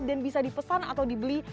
dan bisa dipesan atau dibeli